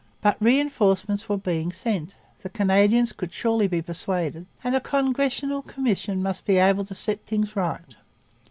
But reinforcements were being sent; the Canadians could surely be persuaded; and a Congressional commission must be able to set things right.